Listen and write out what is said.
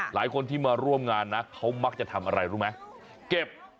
หลายคนที่มาร่วมงานนะเขามักจะทำอะไรรู้ไหมเก็บ